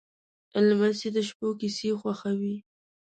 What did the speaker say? لمسی د شپو کیسې خوښوي.